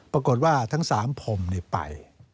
ปรากฏว่าทั้ง๓ผมนี่ไป